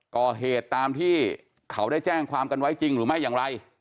ก่อเหตุตามที่เขาได้แจ้งความกันไว้จริงหรือไม่อย่างไร